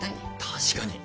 確かに。